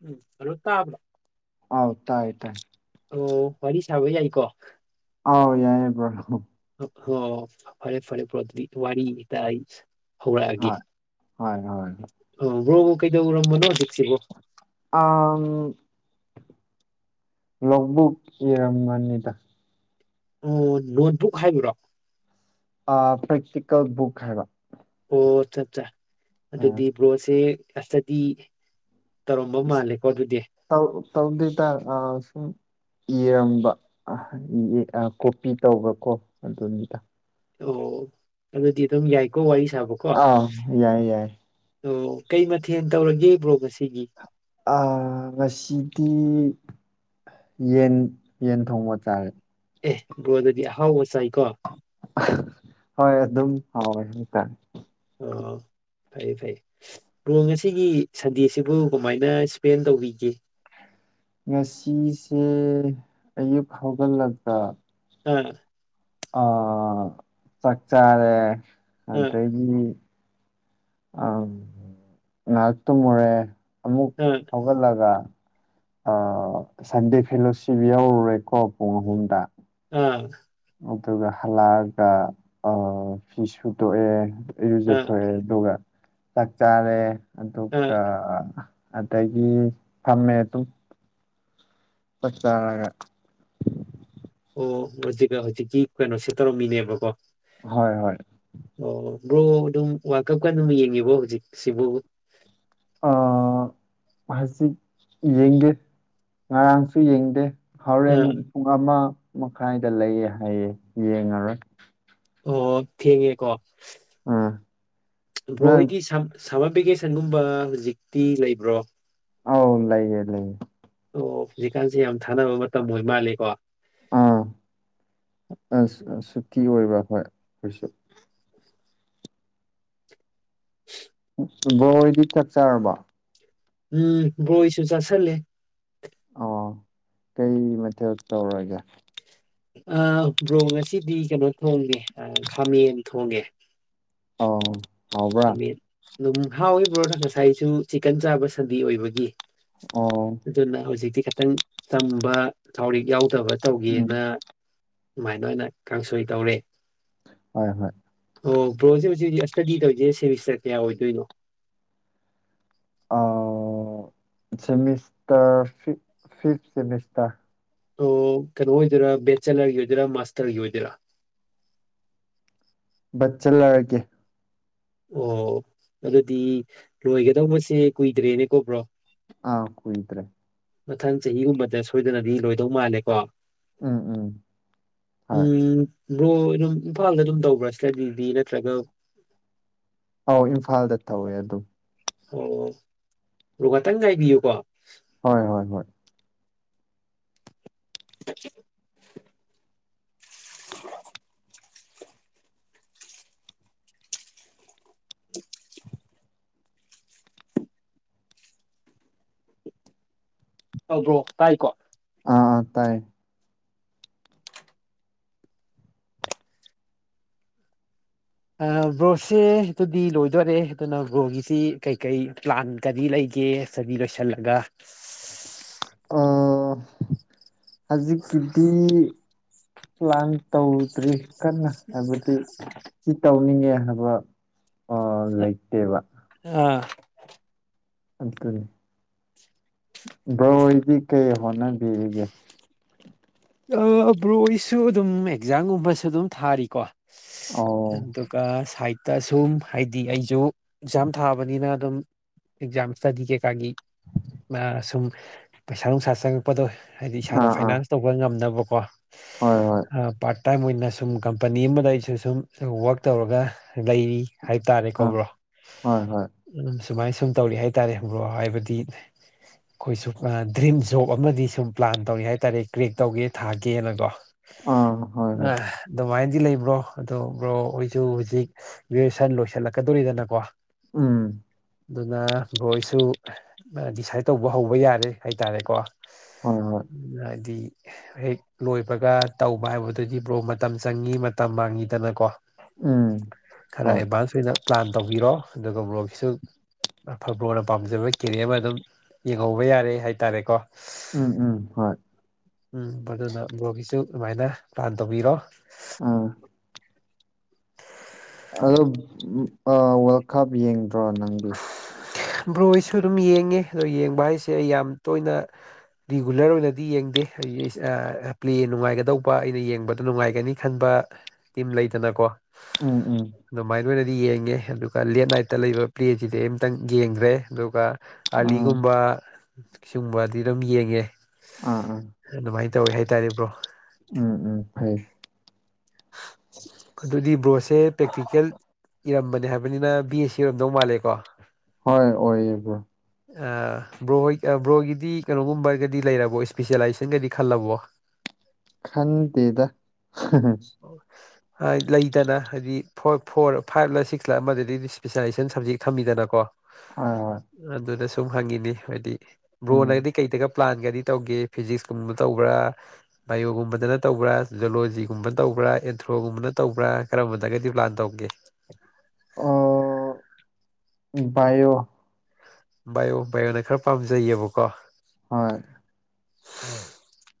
ꯎꯝ hello ꯇꯥꯕ꯭ꯔ ꯍꯥꯎ ꯇꯥꯏ ꯇꯥꯏ ꯑꯣ ꯋꯥꯔꯤ ꯁꯥꯕ ꯌꯥꯏꯀꯣ ꯑꯥꯎ ꯌꯥꯏ ꯌꯦ ꯕꯔꯣ꯫ ꯍ ꯐꯔꯦ ꯐꯔꯦ ꯋꯥ ꯔꯤ ꯇꯥꯏ ꯍꯧꯔꯛꯑꯒꯦ ꯍꯣꯏ ꯍꯣꯏ ꯑꯣ ꯕ꯭ꯔꯣꯕꯨ ꯀꯩꯗꯧꯔꯝꯕꯅꯣ ꯍꯧꯖꯤꯛꯁꯤꯕꯨ ꯑ ꯂꯣꯛꯚꯛ ꯏꯔꯝꯃꯥꯟꯗ ꯑꯣ ꯅꯣꯠꯕꯨꯛ ꯍꯥꯏꯕ꯭ꯔꯣ ꯄ꯭ꯔꯦꯛꯇꯤꯀꯦꯜ ꯕꯨꯛ ꯍꯥꯏꯕ ꯑꯣ ꯆꯞ ꯆ ꯑꯥ ꯑꯗꯨꯗꯤ ꯕ꯭ꯔꯣꯁꯦ ꯑꯁꯇꯗꯤ ꯇꯧ ꯇꯧꯗꯤꯗ ꯑ ꯁ ꯏꯔꯝꯕ ꯀꯣꯄꯤ ꯇꯧꯕ ꯀꯣ ꯑꯗꯨꯅꯤꯗ ꯑꯣ ꯑꯗꯨꯗꯤ ꯑꯗꯨꯝ ꯌꯥꯏꯀꯣ ꯋꯥꯔꯤ ꯁꯥꯕꯀꯣ ꯑꯥ ꯌꯥꯏ ꯌꯥꯏ ꯑꯣ ꯀꯩ ꯃꯊꯦꯜ ꯇꯧꯔꯒꯦ ꯕ꯭ꯔꯣ ꯉꯁꯤꯒꯤ ꯑ ꯉꯁꯤꯗꯤ ꯌꯦꯟ ꯌꯦꯟ ꯊꯣꯡꯕ ꯆꯥꯔꯦ ꯑꯦ ꯕꯔꯣ ꯗꯨ ꯗꯤ ꯑꯍꯥꯎꯕ ꯆꯥꯏ ꯍꯣꯏ ꯑꯗꯨꯝ ꯍꯥꯎꯋꯦ ꯐꯩ ꯐꯩꯌꯦ ꯔꯣ ꯉꯁꯤꯒꯤ ꯁꯟꯗꯦꯁꯤꯕꯨ ꯀꯃꯥꯏꯅ ꯏꯁꯄꯦꯟ ꯇꯧꯕꯤꯒꯦ [inaudible] ꯉꯁꯤꯁꯦ ꯑꯌꯨꯛ ꯍꯧꯒꯠꯂꯛꯄ ꯑ ꯑ ꯆꯥꯛ ꯆꯥꯔꯦ ꯑꯥ ꯑꯗꯒꯤ ꯑꯝ ꯉꯛ ꯇꯨꯝꯃꯨꯔꯦ ꯑꯃꯨꯛ ꯑꯥ ꯍꯧꯒꯠꯂꯒ ꯁꯟꯗꯦ ꯐꯦꯂꯣꯁꯤꯞ ꯌꯥꯎꯔꯨꯔꯦ ꯀꯣ ꯐ ꯍꯟꯗꯥ ꯑꯥ ꯑꯗꯨꯒ ꯍꯜꯂꯛꯑꯒ ꯐꯤ ꯁꯨ ꯇꯣꯛꯑꯦ ꯏꯔꯨꯖꯊꯣꯛꯑꯦ ꯑꯗꯨꯒ ꯆꯥꯛ ꯆꯥꯔꯦ ꯑꯣ ꯑꯗꯨꯒ ꯑꯗꯒꯤ ꯐꯝꯃꯦ ꯑꯗꯨꯝ ꯆꯥꯛ ꯆꯔꯒꯥ ꯑꯣ ꯍꯧꯖꯤꯛ ꯍꯧꯖꯤꯛꯀꯤ ꯀꯩꯅꯣꯁꯦ ꯇꯧꯔꯝꯃꯤꯅꯦꯕꯀꯣ ꯍꯣꯏ ꯍꯣꯏ ꯑꯣ ꯕ꯭ꯔꯣ ꯑꯗꯨꯝ ꯋꯥꯜ ꯀꯞꯀ ꯌꯦꯡꯉꯤꯕꯣ ꯍꯧꯖꯤꯛꯁꯤꯕꯨ ꯍꯧꯠ ꯌꯦꯡꯗꯦ ꯉꯔꯥꯡꯁꯨ ꯌꯦꯡꯗꯦ ꯍꯣꯔꯦꯟ ꯑꯥ ꯄꯨꯡ ꯑꯃ ꯃꯈꯥꯏꯗ ꯂꯩꯌꯦ ꯍꯥꯏꯌꯦ ꯌꯦꯡꯉꯔꯣꯏ ꯑꯣ ꯊꯦꯡꯉꯦꯀꯣ ꯎꯝ ꯕꯔꯣ ꯅꯪ ꯍꯣꯏꯗꯤ ꯁꯝꯃꯔ ꯚꯦꯀꯦꯁꯟꯒꯨꯝꯕ ꯍꯧꯖꯤꯛꯇꯤ ꯂꯩꯕ꯭ꯔꯣ ꯑꯥꯎ ꯂꯩꯌꯦ ꯂꯩꯌꯦ ꯑꯣ ꯍꯧꯖꯤꯛꯀꯥꯟꯁꯦ ꯌꯥꯝ ꯊꯥꯅꯕ ꯃꯇꯝ ꯑꯣꯏ ꯃꯥꯂꯦꯀꯣ ꯑꯥ ꯑꯁ ꯑ ꯁꯨꯇꯤ ꯑꯣꯏꯕ ꯍꯣꯏ ꯑꯩꯁꯨ [unintelligible] ꯕꯣꯏꯗꯤ ꯀꯛꯆꯔꯕ ꯎꯝ ꯕꯣꯏꯁꯨ ꯆꯁꯦ ꯑ ꯀꯩ ꯃꯊꯦꯜ ꯇꯧꯔꯒꯦ ꯕ꯭ꯔꯣꯡ ꯑꯁꯤꯗꯤ ꯀꯩꯅꯣ ꯊꯣꯡꯉꯦ ꯈꯥꯃꯦꯟ ꯊꯣꯡꯉꯦ ꯑ ꯍꯥꯎꯕ꯭ꯔꯥ ꯈꯥꯃꯦꯟ ꯑꯗꯨꯝ ꯍꯥꯎꯕ꯭ꯔꯣꯅ ꯉꯁꯥꯏꯁꯨ ꯆꯤꯛꯀꯟ ꯆꯥꯕ ꯁꯟꯗꯤ ꯑꯣꯏꯕꯒꯤ ꯑꯣ ꯑꯗꯨꯅ ꯍꯧꯖꯤꯛꯇꯤ ꯈꯤꯇꯪ ꯇꯝꯕ ꯊꯧꯔꯤꯛ ꯌꯥꯎ ꯑꯕ ꯎꯝ ꯇꯧꯒꯦꯅ ꯁꯃꯥꯏꯅ ꯑꯣꯏꯅ ꯀꯥꯡꯁꯣꯏ ꯇꯧꯔꯦ ꯍꯣꯏ ꯍꯣꯏ [unintelligible] ꯁꯤꯁ ꯀꯌꯥ ꯑꯣꯏꯏꯗꯣꯏꯅꯣ ꯑꯃꯤꯁꯔ ꯐꯤꯐꯃꯤꯁ ꯑꯣ ꯀꯩꯅꯣ ꯑꯣꯏꯗꯣꯏꯔ ꯕꯦꯆꯦꯂꯔꯒꯤ ꯑꯣꯏꯗꯣꯏꯔꯥ ꯃꯥꯁꯇꯔꯒꯤ ꯑꯣꯏꯗꯣꯏꯔꯥ [unintelligible] ꯆꯜ ꯂ ꯀꯦ ꯑꯣ ꯑꯗꯨꯗꯤ ꯂꯣꯏꯒꯗꯧꯕꯁꯦ ꯀꯨꯏꯗ꯭ꯔꯦꯅꯦꯀꯣꯕ꯭ꯔꯣ ꯑ ꯀꯨꯣꯏꯠꯇ꯭ꯔꯦ ꯃꯊꯪ ꯆꯍꯤꯒꯨꯝꯕꯗ ꯁꯣꯏꯗꯅꯗꯤ ꯂꯣꯏꯗꯧ ꯃꯥꯜꯂꯦꯀꯣ ꯎꯝ ꯎꯝ ꯍ ꯎꯝ ꯕ꯭ꯔꯣ ꯑꯗꯨꯝ ꯏꯝꯐꯥꯜꯗ ꯑꯗꯨꯝ ꯇꯧꯕ꯭ꯔꯥ ꯏꯁꯇꯗꯤꯗꯤ ꯅꯠꯇ꯭ꯔꯒ ꯑꯥꯎ ꯏꯝꯐꯥꯜꯗ ꯇꯧꯋꯦ ꯑꯗꯨꯝ ꯑꯣ ꯑꯗꯨꯒꯣ ꯉꯇꯪ ꯉꯥꯏꯕꯤꯌꯨꯀꯣ ꯍꯣꯏ ꯍꯣꯏ ꯍꯣꯏ [unintelligible] [unintelligible] ꯎꯝ ꯍꯕ꯭ꯔꯣ ꯇꯥꯏꯀꯣ ꯑꯥ ꯑꯥ ꯇꯥꯏ ꯕ꯭ꯔꯣꯁꯦ ꯑꯗꯨꯗꯤ ꯂꯣꯏꯗꯣꯏꯣꯔꯦ ꯑꯗꯨꯅ ꯕ꯭ꯔꯣꯒꯤꯁꯤ ꯀꯩꯀꯩ ꯄ꯭ꯂꯥꯟ ꯀꯔꯤ ꯂꯩ ꯒꯤꯦ ꯁꯕꯤ ꯂꯣꯏꯁꯤꯜꯂꯒ ꯑ ꯍꯧꯖꯤꯛ ꯀꯗꯤ ꯄ꯭ꯂꯥꯟ ꯇꯧꯗ꯭ꯔꯤ ꯀꯟꯅ ꯍꯥꯏꯕꯗꯤ ꯁꯤ ꯇꯧꯅꯤꯡꯉꯦ ꯅꯕ ꯑ ꯂꯩ ꯂꯩꯇꯦꯕ ꯑꯥ ꯑꯗꯨ ꯀꯔꯦ ꯕꯣꯏꯗꯤ ꯀꯩ ꯍꯣꯠꯅꯕꯤꯔꯤꯒꯦ ꯑ ꯕ꯭ꯔꯣꯁꯨ ꯑꯗꯨꯝ ꯑꯦꯛꯖꯥꯝꯒꯨꯝꯕꯁꯨ ꯑꯗꯨꯝ ꯊꯥꯔꯤꯀꯣ ꯑꯣ ꯗꯨꯀ ꯁꯥꯏꯠꯇ ꯁꯨꯝ ꯍꯥꯏꯗꯤ ꯑꯩꯁꯨ ꯑꯦꯛꯖꯥꯝ ꯊꯥꯕꯅꯤꯅ ꯑꯗꯨꯝ ꯑꯦꯛꯖꯥꯝ ꯏꯁꯇꯗꯤ ꯀꯩꯀꯥꯒꯤ ꯁꯨꯝ ꯄꯩꯁꯥ ꯅꯨꯡꯁꯥ ꯆꯪꯉꯛꯄꯗꯣ ꯍꯥꯏꯗꯤ ꯏꯁꯥꯅ ꯑꯥ ꯑꯥ ꯐꯥꯏꯅꯥꯟꯁ ꯇꯧꯕ ꯉꯝꯅꯕꯀꯣ ꯍꯣꯏ ꯍꯣꯏ ꯄꯥꯔꯠ ꯑꯗꯨꯥꯏ ꯑꯣꯏꯅ ꯁꯨꯝ ꯀꯝꯄꯅꯤ ꯑꯃꯗ ꯑꯩꯁꯨ ꯁꯨꯝ ꯋꯛ ꯇꯧꯔꯒ ꯂꯩꯔꯤ ꯍꯥꯏꯇꯥꯔꯦ ꯑꯥ ꯀꯧꯕ꯭ꯔꯣ ꯍꯣꯏ ꯍꯣꯏ ꯎꯝ ꯁꯨꯃꯥꯏꯅ ꯁꯨꯝ ꯇꯧꯔꯤ ꯍꯥꯏꯇꯥꯔꯦ ꯍꯕ꯭ꯔꯣ ꯍꯥꯏꯕꯗꯤ ꯑꯩꯈꯣꯏꯁꯨ ꯗ꯭ꯔꯤꯝ ꯖꯣꯕ ꯑꯃꯗꯤ ꯁꯨꯝ ꯄ꯭ꯂꯥꯟ ꯇꯧꯏ ꯍꯥꯏꯇꯥꯔꯦ ꯀ꯭ꯔꯦꯛ ꯇꯧꯒꯦ ꯊꯥꯒꯦꯅꯀꯣ ꯑꯥ ꯍꯣꯏ ꯍꯣꯏ ꯑꯗꯨꯃꯥꯏꯅ ꯒꯤ ꯂꯩꯕ꯭ꯔꯣ ꯑꯣ ꯕ꯭ꯔꯣ ꯑꯩꯣꯏꯁꯨ ꯍꯧꯖꯤꯛ ꯒ꯭ꯔꯦꯖꯨꯦꯁꯟ ꯂꯣꯏꯁꯤꯜꯂꯛꯀꯗꯣꯔꯤꯗꯅꯀꯣ ꯎꯝ [unintelligible] ꯑꯗꯨꯅ ꯕꯣꯏꯁꯨ ꯗꯤꯁꯥꯏꯠ ꯇꯧꯕ ꯍꯧꯕ ꯌꯥꯔꯦ ꯍꯥꯏꯇꯥꯔꯦꯀꯣ ꯍꯣꯏ ꯍꯣꯏ ꯍꯥꯏꯗꯤ ꯍꯦꯛ ꯂꯣꯏꯕꯒ ꯇꯧꯕ ꯍꯥꯏꯕꯗꯨꯗꯤ ꯕ꯭ꯔꯣ ꯃꯇꯝ ꯆꯪꯉꯤ ꯃꯇꯝ ꯃꯥꯡꯉꯤꯗꯅꯀꯣ ꯎꯝ ꯈꯔ ꯍꯣꯏ ꯑꯦꯚꯥꯟꯁ ꯑꯣꯏꯅ ꯄ꯭ꯂꯥꯟ ꯇꯧꯕꯤꯔꯣ ꯑꯗꯨꯒ ꯃꯣꯔꯣꯛꯁꯨ ꯐꯨꯠꯕꯣꯜꯅ ꯄꯥꯝꯖꯕ ꯀꯦꯔꯤ ꯑꯃ ꯑꯗꯨꯝ ꯌꯦꯡꯍꯧꯕ ꯌꯥꯔꯦ ꯍꯥꯏꯇꯥꯔꯦꯀꯣ ꯎꯝ ꯎꯝ ꯍꯣꯏ ꯎꯝ ꯑꯗꯨꯅ ꯕꯣꯕꯤꯁꯨ ꯑꯗꯨꯃꯥꯏꯅ ꯄ꯭ꯂꯥꯟ ꯇꯧꯕꯤꯔꯣ ꯑꯥ ꯑꯗꯣ ꯋꯥꯔꯜ ꯀꯞ ꯌꯦꯡꯗ꯭ꯔꯣ ꯅꯪꯗꯤ ꯕ꯭ꯔꯣꯁꯨ ꯑꯗꯨꯝ ꯌꯦꯡꯉꯤ ꯑꯗꯣ ꯌꯦꯡꯕ ꯍꯥꯏꯁꯦ ꯑꯩ ꯌꯥꯝ ꯇꯣꯏꯅ ꯔꯤꯒꯨꯂꯔ ꯑꯣꯏꯅꯗꯤ ꯌꯦꯡꯗꯦ ꯑꯩ ꯄ꯭ꯂꯦ ꯅꯨꯡꯉꯥꯏꯒꯗꯧꯕ ꯑꯩꯅ ꯌꯦꯡꯕꯗ ꯅꯨꯡꯉꯥꯏꯒꯅꯤ ꯈꯟꯕ ꯇꯤꯝ ꯂꯩꯇꯅꯀꯣ ꯎꯝ ꯎꯝ ꯂꯣꯏꯅꯗꯤ ꯌꯦꯡꯉꯦ ꯑꯗꯨꯒ ꯂꯦꯠ ꯅꯥꯏꯠꯇ ꯂꯩꯕ ꯄ꯭ꯂꯦꯁꯤꯗꯤ ꯑꯝꯛꯇꯪ ꯌꯦꯡꯈ꯭ꯔꯦ ꯑꯗꯨꯒ ꯑꯥ ꯑꯥꯂꯤꯒꯨꯝꯕ ꯁꯤꯒꯨꯝꯕꯗꯤ ꯑꯗꯨꯝ ꯌꯦꯡꯉꯦ ꯑꯥ ꯎꯝ ꯑꯗꯨꯃꯥꯏꯅ ꯇꯧꯋꯦ ꯍꯥꯏꯇꯥꯔꯤꯕ꯭ꯔꯣ ꯎꯝ ꯎꯝ ꯐꯌꯦꯦ ꯑꯗꯨꯗꯤ ꯕ꯭ꯔꯣꯁꯦ ꯄ꯭ꯔꯦꯛꯇꯤꯀꯦꯜ ꯏꯔꯝꯕꯅꯦ ꯍꯥꯏꯕꯅꯤꯅ ꯕꯤ ꯑꯦꯁ ꯌꯔꯝꯗꯧ ꯃꯥꯜꯂꯦꯀꯣ ꯍ ꯑꯣꯏꯕꯨ ꯕ꯭ꯔꯣ ꯍ ꯕ꯭ꯔꯣꯒꯤꯗꯤ ꯀꯩꯅꯣꯒꯨꯝꯕꯒꯗꯤ ꯂꯩꯔꯕꯣ ꯏꯁꯄꯤꯁꯦꯂꯥꯏꯖꯦꯁꯟꯒꯗꯤ ꯈꯜꯂꯕꯣ [unintelligible] ꯈꯗꯗ ꯑꯣ [unintelligible] ꯂꯩꯗꯅ ꯍꯥꯏꯗꯤ ꯐꯣꯔ ꯐꯥꯏꯚ ꯂ ꯁꯤꯛꯁ ꯂꯥ ꯑꯃꯗꯗꯤ ꯏꯁꯄꯦꯁꯂꯥꯏꯖꯦꯁꯟ ꯁꯕꯖꯦꯛ ꯊꯝꯃꯤꯗꯅꯀꯣ ꯍꯣꯏ ꯍꯣꯏ ꯑꯗꯨꯅ ꯁꯨꯝ ꯍꯪꯉꯤꯅꯤ ꯍꯥꯏꯗꯤ ꯕ꯭ꯔꯣꯅ ꯎꯝ ꯍꯥꯏꯔꯗꯤ ꯀꯩꯗꯒ ꯄ꯭ꯂꯥꯟꯒꯗꯤ ꯇꯧꯒꯦ ꯐꯤꯖꯤꯛꯁꯀꯨꯝꯕ ꯇꯧꯕ꯭ꯔꯥ ꯕꯥꯏꯑꯣꯒꯨꯝꯕꯗꯅ ꯇꯧꯕ꯭ꯔꯥ ꯖꯣꯂꯣꯖꯤ ꯨꯝ ꯇꯧꯕ꯭ꯔꯥ ꯑꯦꯟꯊ꯭ꯔꯣꯒꯨꯝꯕꯅ ꯇꯧꯕ꯭ꯔꯥ ꯀꯔꯝꯕꯅꯒꯗꯤ ꯄ꯭ꯂꯥꯟ ꯇꯧꯒꯦ ꯑ ꯏꯑꯣ ꯕꯥꯏꯌꯑꯣ ꯕꯥꯏꯌꯑꯣꯅ ꯈꯔ ꯄꯥꯝꯖꯩꯌꯦꯕꯀꯣ ꯍꯣꯏ ꯍꯥꯝ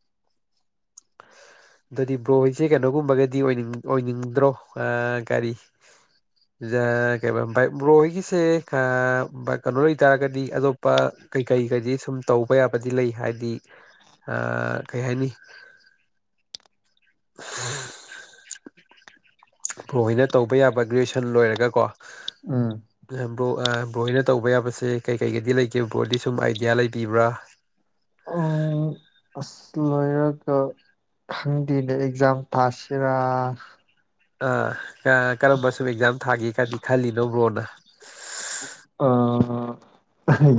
ꯑꯗꯨꯗꯤ ꯕ꯭ꯔꯣꯍꯁꯦ ꯀꯩꯅꯣꯒꯨꯝꯕꯒꯗꯤ ꯑꯣꯏꯅꯤꯡ ꯑꯣꯏꯅꯤꯡꯗ꯭ꯔꯣ ꯀꯒꯥꯔꯤ ꯀꯩ ꯚꯥꯏ ꯃꯣ ꯍꯒꯤꯁꯦ ꯀꯩꯅꯣ ꯂꯩꯇꯥꯔꯒꯗꯤ ꯑꯗꯣ ꯑꯄ ꯀꯩꯀꯩꯒꯩꯗꯤ ꯁꯨꯝ ꯇꯧꯕ ꯌꯥꯕꯗꯤ ꯂꯩ ꯍꯥꯏꯗꯤ ꯀꯩ ꯍꯥꯏꯅꯤ ꯄꯍꯣꯏꯅ ꯇꯧꯕ ꯌꯥꯕ ꯒ꯭ꯔꯦꯖꯨꯋꯦꯁꯟ ꯂꯣꯏꯔꯒꯀꯣ ꯑꯝ ꯕꯣ ꯕ꯭ꯔꯣꯅ ꯇꯧꯕ ꯌꯥꯕꯁꯦ ꯀꯩꯀꯩꯒꯗꯤ ꯂꯩꯒꯦ ꯕ꯭ꯔꯣꯗꯤ ꯁꯨꯝ ꯑꯥꯏꯗꯤꯌꯥ ꯂꯩꯕꯤꯕ꯭ꯔꯥ [unintelligible] ꯑꯁꯂ ꯀ ꯈꯪꯗꯦꯅꯦ ꯑꯦꯛꯖꯥꯝ ꯊꯥꯁꯤꯔꯥ ꯑꯥ ꯀꯔꯝꯕ ꯁꯨꯝ ꯑꯦꯛꯖꯥꯝ ꯊꯥꯒꯦ ꯀꯗꯤ ꯈꯜꯂꯤꯅꯣꯕ꯭ꯔꯣꯅ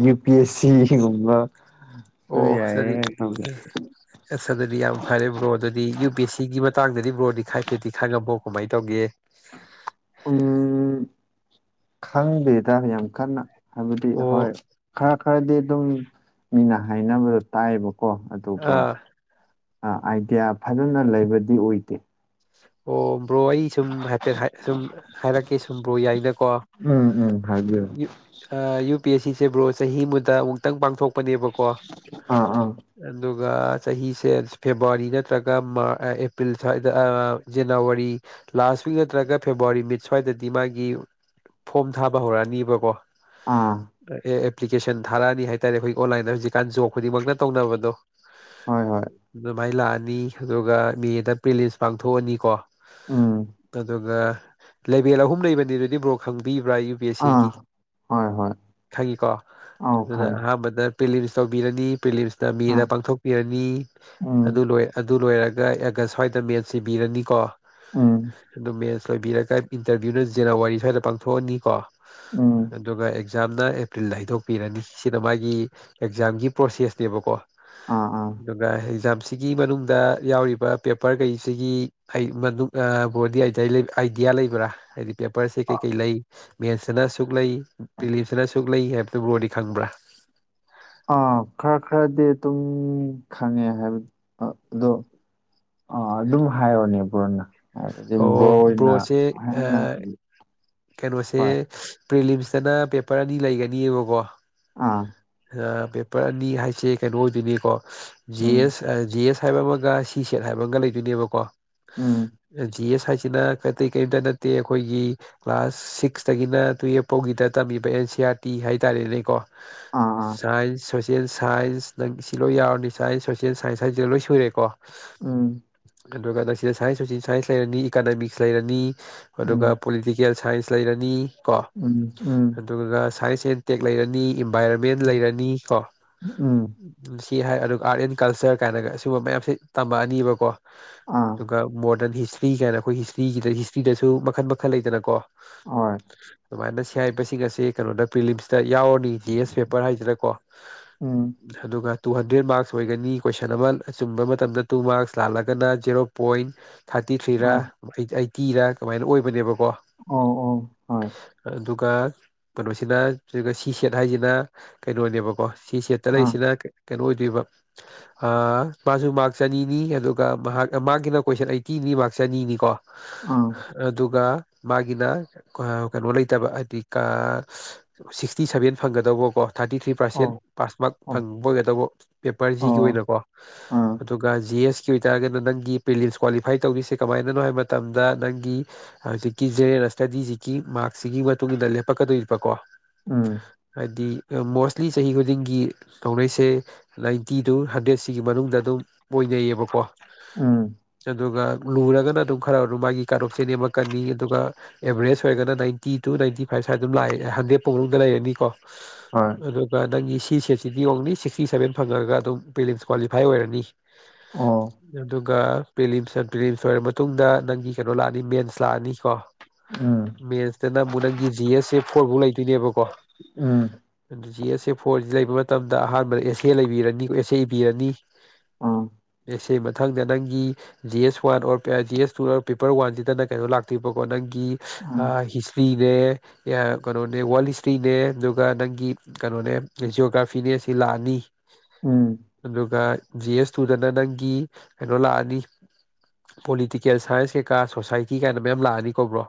ꯌꯨ ꯄꯤ ꯑꯦꯁ ꯁꯤꯒꯨꯝꯕ ꯑꯣ ꯁꯗꯤ ꯑꯁ ꯑꯗꯨꯗꯤ ꯌꯥꯝ ꯐꯔꯦ ꯕ꯭ꯔꯣ ꯑꯗꯨꯗꯤ ꯌꯨ ꯕꯤ ꯑꯦꯁ ꯁꯤꯒꯤ ꯃꯇꯥꯡꯗꯗꯤ ꯕ꯭ꯔꯣꯗꯤ ꯈꯥꯏꯐꯦꯠꯗꯤ ꯈꯪꯉꯝꯕꯣ ꯀꯃꯥꯏꯅ ꯇꯧꯒꯦ ꯎꯝ ꯈꯪꯗꯦꯗ ꯌꯥꯝ ꯀꯟꯅ ꯍꯥꯏꯕꯗꯤ ꯑꯣ ꯍꯣꯏ ꯈꯔ ꯈꯔꯗꯤ ꯑꯗꯨꯝ ꯃꯤꯅ ꯍꯥꯏꯅꯕꯗꯣ ꯇꯥꯏꯕ ꯀꯣ ꯑꯗꯨꯒ ꯑꯥ ꯑꯥꯏꯗꯤꯌꯥ ꯐꯖꯅ ꯂꯩꯕꯗꯤ ꯑꯣꯏꯗꯦ ꯑꯣ ꯕ꯭ꯔꯣ ꯑꯩ ꯁꯨꯝ ꯍꯥꯏꯐꯦꯠ ꯁꯨꯝ ꯍꯥꯏꯔꯛꯀꯦ ꯁꯨꯝ ꯕ꯭ꯔꯣ ꯌꯥꯏꯅꯀꯣ ꯍꯥꯏꯌ ꯅꯨ ꯄ ꯑꯁꯤ ꯐꯦꯕ꯭ꯔꯨꯋꯥꯔꯤ ꯆꯍꯤ ꯑꯃꯗ ꯑꯃꯨꯛꯇꯪ ꯄꯥꯡꯊꯣꯛꯄꯅꯦꯕꯀꯣ ꯑꯥ ꯑꯥ ꯑꯗꯨꯒ ꯑꯗꯨꯒ ꯆꯍꯤꯁꯦ ꯐꯦꯕꯋꯥꯔꯤ ꯅꯠꯇ꯭ꯔꯒ ꯃꯥ ꯑꯦꯄ꯭ꯔꯤꯜ ꯁ꯭ꯋꯥꯏꯗ ꯖꯅꯋꯥꯔꯤ ꯂꯥꯁ ꯋꯤꯛ ꯅꯠꯇ꯭ꯔꯒ ꯐꯦꯕꯋꯥꯔꯤ ꯃꯤꯠ ꯁ꯭ꯋꯥꯏꯗꯗꯤ ꯃꯥꯒꯤ ꯐꯣꯝ ꯊꯥꯕ ꯍꯧꯔꯛꯑꯅꯤꯕꯀꯣ ꯑꯥ ꯑꯦ ꯑꯦꯄ꯭ꯂꯤꯀꯦꯁꯟ ꯊꯥꯔꯛꯑꯅꯤ ꯍꯥꯏ ꯇꯔꯦ ꯑꯩꯈꯣꯏꯒꯤ ꯑꯣꯟꯂꯥꯏꯟꯗ ꯍꯧꯖꯤꯛꯀꯥꯟ ꯖꯣꯕ ꯈꯨꯗꯤꯡꯃꯛꯅ ꯇꯧꯅꯕꯗꯣ ꯍꯣꯏ ꯍꯣꯏ ꯑꯗꯨꯃꯥꯏꯅ ꯂꯥꯛꯑꯅꯤ ꯑꯗꯨꯒ ꯃꯦꯗ ꯄꯦꯂꯤꯁ ꯄꯥꯡꯊꯣꯛꯑꯅꯤꯀꯣ ꯎꯝ ꯑꯗꯨꯒ ꯂꯩꯕꯦꯜ ꯑꯍꯨꯝ ꯂꯩꯕꯅꯤ ꯑꯗꯨꯗꯤ ꯕ꯭ꯔꯣꯛ ꯈꯪꯕꯤꯕ ꯄꯨꯔꯥ ꯌꯨ ꯄꯤ ꯑꯦꯁ ꯑꯥ ꯁꯤꯒꯤ ꯍꯣꯏ ꯍꯣꯏ ꯈꯪꯉꯤꯀꯣ ꯑꯥꯎ ꯑꯗꯨꯅ ꯈꯪꯉꯦ ꯑꯍꯥꯟꯕꯗ ꯄꯦꯂꯤꯝꯁ ꯇꯧꯕꯤꯔꯅꯤ ꯄꯦꯂꯤꯝꯁꯅ ꯃꯤꯅ ꯑꯥ ꯄꯥꯡꯊꯣꯛꯄꯤꯔꯅꯤ ꯑꯗꯨ ꯎꯝ ꯂꯣꯏ ꯑꯗꯨ ꯂꯣꯏꯔꯒ ꯑꯦꯒꯁ ꯁ꯭ꯋꯥꯏꯗ ꯃꯦꯟꯁ ꯏꯕꯤꯔꯅꯤꯀꯣ ꯎꯝ ꯑꯗꯨ ꯃꯦꯁ ꯂꯣꯏꯕꯤꯔꯒ ꯏꯟꯇꯔꯚꯤꯌꯨꯅ ꯖꯅꯋꯥꯔꯤ ꯁ꯭ꯋꯥꯏꯗ ꯄꯥꯡꯊꯣꯛꯑꯅꯤꯀꯣ ꯎꯝ ꯑꯗꯨꯒ ꯑꯦꯛꯖꯥꯝꯅ ꯑꯦꯄ꯭ꯔꯤꯜꯗ ꯍꯩꯗꯣꯛꯄꯤꯔꯅꯤ ꯁꯤꯅ ꯃꯥꯒꯤ ꯑꯦꯛꯖꯥꯝꯒꯤ ꯄ꯭ꯔꯣꯁꯦꯁꯅꯦꯕꯀꯣ ꯑꯥ ꯑꯥ ꯑꯗꯨꯒ ꯑꯦꯛꯖꯥꯝꯁꯤꯒꯤ ꯃꯅꯨꯡꯗ ꯌꯥꯎꯔꯤꯕ ꯄꯦꯄꯔ ꯀꯩ ꯁꯤꯒꯤ ꯕꯣꯗꯤꯗꯤ ꯑꯥꯏꯗꯤꯌꯥ ꯂꯩꯕ꯭ꯔꯥ ꯍꯥꯏꯗꯤ ꯄꯦꯄꯔꯁꯦ ꯀꯩ ꯀꯩ ꯂꯩꯏ ꯃꯦꯟꯁꯁꯤꯅ ꯑꯁꯨꯛ ꯂꯩ ꯕꯤꯂꯤꯞꯁꯤꯅ ꯑꯁꯨꯛ ꯂꯩ ꯍꯥꯏꯕꯗꯨ ꯭ꯔꯣꯗꯤ ꯈꯪꯕ꯭ꯔꯥ ꯑꯥ ꯈꯔ ꯈꯔꯗꯤ ꯑꯗꯨꯝ ꯈꯪꯉꯦ ꯍꯥꯏꯕ ꯑꯗꯣ ꯑꯥ ꯑꯗꯨꯝ ꯍꯥꯏꯔꯑꯣꯅꯦ ꯄꯨꯨꯔꯅ ꯑꯣ ꯕ꯭ꯔꯣꯁꯦ ꯀꯩꯅꯣꯁꯦ ꯍꯣꯏ ꯄ꯭ꯔꯤꯂꯤꯝꯁꯇꯅ ꯄꯦꯄꯔ ꯑꯅꯤ ꯂꯩꯒꯅꯤꯕꯀꯣ ꯑꯥ ꯄꯦꯄꯔ ꯑꯅꯤ ꯍꯥꯏꯁꯦ ꯀꯩꯅꯣ ꯑꯣꯏꯗꯣꯏꯅꯤꯀꯣ ꯖꯤꯦ ꯎꯝ ꯑꯦꯁ ꯖꯤ ꯑꯦꯁ ꯍꯥꯏꯕ ꯑꯃꯒ ꯁꯤ ꯁꯦꯠ ꯍꯥꯏꯕ ꯑꯃꯒ ꯂꯩꯗꯣꯏꯅꯦꯕꯀꯣ ꯎꯝ ꯖꯤ ꯑꯦꯁ ꯍꯥꯏꯁꯤꯅ ꯀꯇꯩ ꯀꯔꯤꯝꯇ ꯅꯠꯇꯦ ꯑꯩꯈꯣꯏꯒꯤ ꯀ꯭ꯂꯥꯁ ꯁꯤꯛꯁꯇꯒꯤꯅ ꯇꯨꯌꯦꯜꯐ ꯐꯥꯎꯒꯤꯗ ꯇꯝ ꯑꯦ ꯁꯤ ꯑꯥꯔ ꯇꯤ ꯍꯥꯏ ꯇꯔꯦꯅꯦꯀꯣ ꯑꯥ ꯑꯥ ꯁꯣꯁꯦꯜ ꯁꯥꯏꯟꯁ ꯅꯪ ꯁꯤ ꯂꯣꯏ ꯌꯥꯎꯔꯅꯤ ꯁꯥꯏꯟꯁ ꯁꯣꯁꯦꯜ ꯁꯥꯏꯟꯁ ꯍꯥꯏꯁꯤꯗ ꯂꯣꯏ ꯁꯨꯔꯦꯀꯣ ꯎꯝ ꯑꯗꯨꯒ ꯁꯤꯗ ꯁꯥꯏꯟꯁꯁꯤ ꯁꯥꯏꯟꯁ ꯂꯩꯔꯅꯤ ꯏꯀꯥꯅꯃꯤꯛꯁ ꯂꯩꯔꯅꯤ ꯑꯗꯨꯒ ꯎꯝ ꯄꯣꯂꯤꯇꯤꯀꯦꯜ ꯁꯥꯏꯟꯁ ꯂꯩꯔꯅꯤ ꯀꯣ ꯎꯝ ꯎꯝ ꯑꯗꯨꯒ ꯁꯥꯏꯟꯁ ꯁꯦꯟꯇꯦꯛ ꯂꯩꯔꯅꯤ ꯏꯟꯚꯥꯏꯔꯣꯟꯃꯦꯟ ꯂꯩꯔꯅꯤ ꯀꯣ ꯎꯝ ꯀꯦ ꯍꯥꯏ ꯑꯗꯨꯒ ꯑꯥꯔꯠ ꯑꯦꯟ ꯀꯜꯆꯔ ꯀꯥꯏꯅꯒ ꯁꯤꯒꯨꯝꯕ ꯃꯌꯥꯝꯁꯦ ꯇꯝꯃꯛꯑꯅꯤꯕꯀꯣ ꯑꯥ ꯑꯗꯨꯒ ꯃꯣꯠ ꯑꯣꯗꯔꯟ ꯍꯤꯁꯇ꯭ꯔꯤ ꯀꯥꯏꯅ ꯑꯩꯈꯣꯏ ꯍꯤꯁꯇ꯭ꯔꯤꯒꯤꯗ ꯍꯤꯁꯇ꯭ꯔꯤꯗꯁꯨ ꯃꯈꯜ ꯃꯈꯜ ꯂꯩꯇꯅꯀꯣ ꯍꯣꯏ ꯁꯃꯥꯏꯅ ꯁꯤ ꯍꯥꯏꯔꯤꯕꯁꯤꯡ ꯑꯁꯤ ꯀꯩꯅꯣꯗ ꯄ꯭ꯔꯤꯂꯤꯝꯁ ꯁꯤ ꯌꯥꯎꯔꯅꯤ ꯖꯤ ꯑꯦꯁ ꯄꯦꯄꯔ ꯍꯥꯏꯁꯤꯔꯀꯣ ꯎꯝ ꯑꯗꯨꯒ ꯇꯨ ꯍꯟꯗ꯭ꯔꯦꯗ ꯃꯥꯔꯛꯁ ꯑꯣꯏꯒꯅꯤ ꯀꯣꯏꯁꯟ ꯑꯃ ꯑꯆꯨꯝꯕ ꯃꯇꯝꯗ ꯇꯨ ꯃꯥꯔꯛꯁ ꯂꯥꯜꯂꯒꯅ ꯖꯦꯔꯣ ꯄꯣꯏꯟ ꯊꯥꯔꯇꯤ ꯊ꯭ꯔꯤꯔ ꯑꯥ ꯑꯩꯠꯇꯤꯔꯥ ꯀꯃꯥꯏꯅ ꯑꯣꯏꯕꯅꯦꯕ ꯑꯣ ꯑꯣ ꯍꯣꯏ ꯑꯗꯨꯒ ꯀꯩꯅꯣꯁꯤꯅ ꯁꯤ ꯁꯦꯠ ꯍꯥꯏꯁꯤꯅ ꯀꯩꯅꯣꯅꯦꯕꯀꯣ ꯁꯤꯁꯤꯦꯠꯇꯂ ꯑꯥ ꯁꯤꯗꯦ ꯀꯩꯅꯣ ꯑꯣꯏꯗꯣꯏꯕ ꯃꯥꯁꯨ ꯃꯥꯔꯛꯁ ꯆꯅꯤꯅꯤ ꯑꯗꯨꯒ ꯃꯍꯥꯛ ꯃꯥꯒꯤꯅ ꯀꯣꯏꯁꯟ ꯑꯩ ꯀꯤꯅꯤꯕꯥꯛ ꯆꯅꯤꯅꯤꯀꯣ ꯑꯥ ꯑꯗꯨꯒ ꯃꯥꯒꯤꯅ ꯀꯩꯅꯣ ꯂꯩꯇꯕ ꯍꯥꯏꯗꯤ ꯁꯤꯛꯁꯇꯤ ꯁꯚꯦꯟ ꯐꯪꯒꯗꯧꯕꯀꯣ ꯊꯥꯔꯇꯤ ꯊ꯭ꯔꯤ ꯄꯥꯔꯁꯦꯟ ꯑꯣ ꯄꯥꯁ ꯃꯥꯔꯛ ꯑꯣ ꯐꯪꯕ ꯑꯣꯏꯒꯗꯧꯕ ꯄꯦꯄꯔ ꯖꯤꯒꯤ ꯑꯣ ꯑꯣꯏꯅꯀꯣ ꯑꯥ ꯑꯗꯨꯒ ꯖꯤ ꯑꯦꯁ ꯣꯏꯔꯒꯦ ꯅꯪꯒꯤ ꯄꯤꯂꯤ ꯁ ꯀꯣꯂꯤ ꯐꯥꯏ ꯇꯧꯅꯤꯁꯦ ꯀꯃꯥꯏꯅꯅꯣ ꯍꯥꯏ ꯃꯇꯝꯗ ꯅꯪꯒꯤ ꯍꯧꯖꯤꯛꯀꯤ ꯖꯦꯅꯔꯦꯜ ꯁ꯭ꯇꯗꯤꯖꯤꯀꯤ ꯃꯥꯔꯛ ꯁꯤꯒꯤ ꯃꯇꯨꯡ ꯏꯟꯅ ꯂꯦꯞꯄꯛꯀꯗꯣꯏꯔꯤꯕꯀꯣ ꯎꯝ ꯍꯥꯏꯗꯤ ꯃꯣꯁꯂꯤ ꯆꯍꯤ ꯈꯨꯗꯤꯡꯒꯤ ꯂꯧꯅꯩꯁꯦ ꯅꯥꯏꯟꯇꯤ ꯇꯨ ꯍꯟꯗ꯭ꯔꯦꯠꯁꯤꯒꯤ ꯃꯅꯨꯡꯗ ꯑꯗꯨꯝ ꯃꯣꯏ ꯂꯩꯩꯌꯦꯕꯀꯣ ꯎꯝ ꯑꯗꯨꯒ ꯂꯨꯔꯒꯅ ꯑꯗꯨꯝ ꯈꯔ ꯑꯗꯨꯝ ꯃꯥꯒꯤ ꯀꯥꯡꯂꯨꯞꯥꯔꯁꯦ ꯅꯦꯝꯃꯛꯀꯅꯤ ꯑꯗꯨꯒ ꯑꯦꯕꯔꯦꯁ ꯑꯣꯏꯔꯒꯅ ꯅꯥꯏꯟꯇꯤ ꯇꯨ ꯅꯥꯏꯟꯇꯤ ꯐꯥꯏꯚ ꯁ ꯑꯗꯨꯝ ꯂꯥꯛꯑꯦ ꯍꯪꯗꯦꯄ ꯃꯅꯨꯡꯗ ꯂꯩꯔꯅꯤꯀꯣ ꯍꯣꯏ ꯑꯗꯨꯒ ꯅꯪꯒꯤ ꯐꯤ ꯁꯦꯠꯁꯤꯗꯤ ꯑꯣꯡꯂꯤ ꯁꯤꯛꯁꯇꯤ ꯁꯚꯦꯟ ꯐꯪꯉꯒ ꯑꯗꯨꯝ ꯄꯦꯂꯤꯦꯟꯁ ꯀ꯭ꯋꯥꯂꯤꯐꯥꯏ ꯑꯣꯏꯔꯅꯤ ꯑꯣ ꯑꯗꯨꯒ ꯄꯤꯂꯤꯝꯁ ꯄꯤꯂꯤꯝꯁ ꯑꯣꯏꯔꯕ ꯃꯇꯨꯡꯗ ꯅꯪꯒꯤ ꯀꯩꯅꯣ ꯂꯥꯛꯑꯅꯤ ꯃꯦꯟꯁ ꯂꯥꯛꯑꯅꯤꯀꯣ ꯎꯝ ꯃꯦꯟꯁꯇꯅꯪꯕꯨꯨꯛ ꯅꯪꯒꯤ ꯖꯤ ꯑꯦꯁ ꯑꯦ ꯐꯣꯔ ꯐꯥꯎ ꯂꯩꯇꯣꯏꯅꯦꯕꯀꯣ ꯎꯝ ꯖꯤ ꯑꯦꯁ ꯐꯣꯔꯁꯤ ꯂꯩꯕ ꯃꯇꯝꯗ ꯑꯍꯥꯟꯕꯗ ꯑꯦꯁ ꯑꯦ ꯂꯩꯕꯤꯔꯅꯤ ꯑꯦꯁ ꯑꯦ ꯏꯕꯤꯔꯅꯤ ꯑꯥ ꯑꯦ ꯁꯤ ꯃꯊꯪꯗ ꯅꯪꯒꯤ G S one or G S two paper ꯋꯥꯟꯁꯤꯗꯅ ꯀꯩꯅꯣ ꯂꯥꯛꯇꯣꯏꯕꯀꯣ ꯅꯪꯒꯤ ꯒꯤ ꯍꯤꯁꯇ꯭ꯔꯤ ꯀꯩꯅꯣꯅꯦ ꯋꯥ ꯍꯇ꯭ꯔꯤꯅꯦ ꯑꯗꯨꯒ ꯅꯪꯒꯤ ꯀꯩꯅꯣꯅꯦ ꯖꯤꯑꯣꯒ꯭ꯔꯥꯐꯤꯅꯦ ꯂꯥꯛꯑꯅꯤ ꯎꯝ ꯎꯝ ꯑꯗꯨꯒ ꯖꯤ ꯑꯦꯁ ꯇꯨꯗꯅ ꯅꯪꯒꯤ ꯀꯩꯅꯣ ꯂꯥꯛꯑꯅꯤ ꯄꯣꯂꯤꯇꯤꯀꯦꯜ ꯁꯥꯏꯟꯁ ꯀꯩꯀꯥ ꯁꯣꯁꯥꯏꯇꯤ ꯀꯥꯏꯅ ꯃꯌꯥꯝ ꯂꯥꯛꯑꯅꯤ ꯀꯧꯕ꯭ꯔꯣ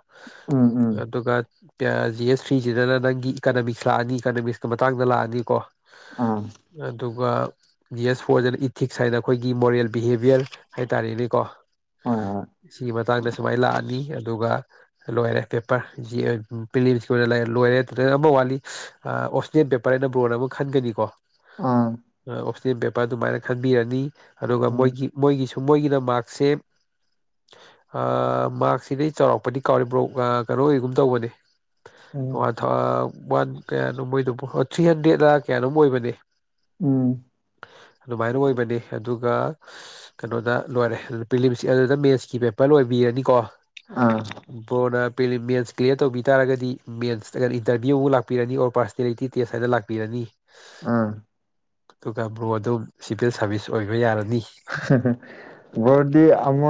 ꯎꯝ ꯎꯝ ꯑꯗꯨ ꯀ ꯖꯤ ꯑꯦꯁ ꯊ꯭ꯔꯤꯁꯤꯗꯅ ꯅꯪꯒꯤ ꯏꯀꯅꯣꯃꯤꯛꯁ ꯂꯥꯛꯑꯅꯤ ꯏꯀꯅꯣꯃꯤꯛꯁꯀꯤ ꯃꯇꯥꯡꯗ ꯂꯥꯛꯑꯅꯤ ꯀꯣ ꯑꯥ ꯑꯗꯨꯒ ꯌꯦꯁ ꯐꯣꯔꯁꯅ ꯏꯊꯤꯛꯁ ꯍꯥꯏꯅ ꯑꯩꯈꯣꯏꯒꯤ ꯃꯣꯔꯦꯜ ꯕꯤꯍꯦꯚꯌꯔ ꯍꯥꯏꯇꯥꯔꯦꯅꯦꯀꯣ ꯍꯣꯏ ꯍꯣꯏ ꯁꯤꯒꯤ ꯃꯇꯥꯡꯗ ꯁꯨꯃꯥꯏꯅ ꯂꯥꯛꯑꯅꯤ ꯑꯗꯨꯒ ꯂꯣꯏꯔꯦ ꯄꯦꯄꯔ ꯐꯤꯂꯤꯝꯀꯤꯦ ꯂꯣꯏꯔꯦ ꯑꯃ ꯋꯥꯠꯂꯤ ꯑꯣꯁꯅꯤꯌꯠ ꯄꯦꯄꯔ ꯀꯅ ꯕ꯭ꯔꯣꯟ ꯑꯃ ꯈꯟꯒꯅꯤꯀꯣ ꯑꯥ ꯑꯣꯞꯁꯅꯦꯦꯜ ꯄꯦꯄꯔ ꯑꯗꯨꯃꯥꯏꯅ ꯈꯟꯕꯤꯔꯅꯤ ꯑꯗꯨꯒ ꯎꯝ ꯃꯣꯏꯒꯤ ꯃꯣꯏꯒꯤꯁꯨ ꯀꯗ ꯃꯥꯁꯦꯞ ꯃꯥꯁꯤ ꯅ ꯆꯥꯎꯔꯥꯛꯄꯗꯤ ꯀꯥꯎꯔꯤꯕ꯭ꯔꯣ ꯀꯩꯅꯣ ꯑꯣꯏꯒꯨꯝ ꯇꯧꯕꯅꯦ ꯎꯝ ꯋꯥꯟ ꯊꯥꯎ ꯋꯥꯟ ꯀꯌꯥꯅꯣ ꯃꯣꯏꯗ ꯊ꯭ꯔꯤ ꯍꯟꯗ꯭ꯔꯦꯗꯅ ꯀꯌꯥꯅꯣꯝ ꯑꯣꯏꯕꯅꯦ ꯎꯝ ꯑꯗꯨꯃꯥꯏꯅ ꯑꯣꯏꯕꯅꯤ ꯑꯗꯨꯒ ꯀꯩꯅꯣꯗ ꯂꯣꯏꯔꯦ ꯄ꯭ꯔꯤꯂꯤꯝ ꯑꯗꯨꯗ ꯃꯦꯠꯁꯀꯤ ꯄꯦꯄꯔ ꯂꯣꯏꯕꯤꯔꯅꯤꯀꯣ ꯑꯥ ꯕꯣꯔꯅ ꯃꯦꯟꯁ ꯀ꯭ꯂꯤꯌꯥꯔ ꯇꯧꯕꯤ ꯇꯔꯒꯗꯤ ꯃꯦꯟꯁ ꯏꯟꯇꯔꯚ꯭ꯌꯨ ꯂꯥꯛꯄꯤꯔꯅꯤ ꯑꯣꯔ ꯄꯔꯁꯅꯦꯂꯤꯇꯤ ꯇꯦꯁ ꯍꯥꯏꯗ ꯂꯥꯛꯄꯤꯔꯅꯤ ꯑꯥ ꯑꯗꯨꯒ ꯭ꯔꯣ ꯑꯗꯨꯝ ꯁꯤꯚꯤꯜ ꯁꯥꯔꯚꯤꯁ ꯑꯣꯏꯕ ꯌꯥꯔꯅꯤ ꯗꯤ ꯑꯃ